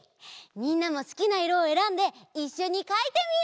みんなもすきないろをえらんでいっしょにかいてみよう！